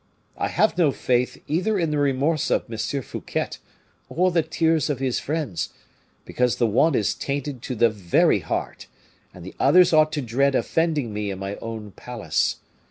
I have no faith either in the remorse of M. Fouquet or the tears of his friends, because the one is tainted to the very heart, and the others ought to dread offending me in my own palace.